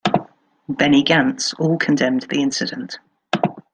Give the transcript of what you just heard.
Benny Gantz all condemned the incident.